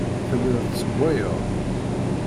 Telliḍ tessewwayeḍ.